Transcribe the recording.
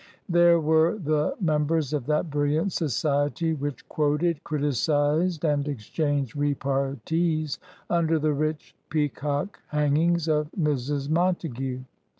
There were the mem bers of that brilHant society which quoted, criticized, and exchanged repartees, under the rich peacock hang ings of Mrs. Montague.